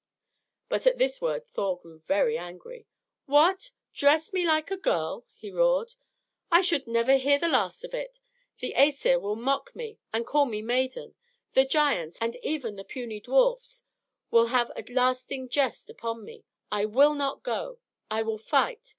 But at this word Thor grew very angry. "What! dress me like a girl!" he roared. "I should never hear the last of it! The Asir will mock me, and call me 'maiden'! The giants, and even the puny dwarfs, will have a lasting jest upon me! I will not go! I will fight!